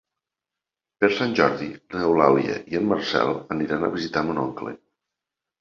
Per Sant Jordi n'Eulàlia i en Marcel aniran a visitar mon oncle.